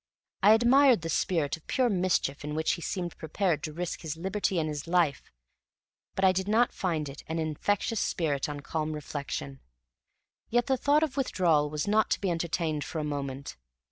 I admired the spirit of pure mischief in which he seemed prepared to risk his liberty and his life, but I did not find it an infectious spirit on calm reflection. Yet the thought of withdrawal was not to be entertained for a moment.